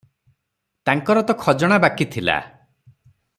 ତାଙ୍କର ତ ଖଜଣା ବାକି ଥିଲା ।